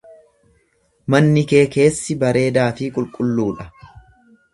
Manni kee keessi bareedaa fi qulqulluu dha.